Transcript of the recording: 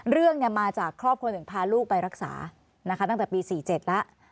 เรื่องเนี่ยมาจากครอบครัวถึงพาลูกไปรักษานะคะตั้งแต่ปีสี่เจ็ดแล้ว